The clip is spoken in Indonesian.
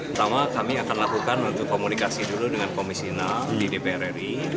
pertama kami akan lakukan untuk komunikasi dulu dengan komisi enam di dpr ri